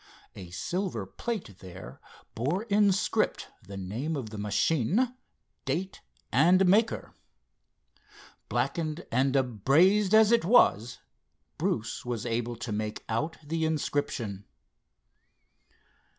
A silver plate there bore in script the name of the machine, date and maker. Blackened and abrased as it was Bruce was able to make out the inscription.